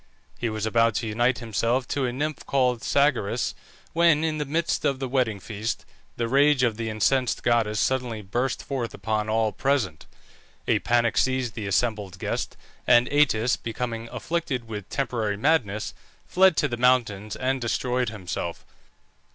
He was about to unite himself to a nymph called Sagaris, when, in the midst of the wedding feast, the rage of the incensed goddess suddenly burst forth upon all present. A panic seized the assembled guests, and Atys, becoming afflicted with temporary madness, fled to the mountains and destroyed himself.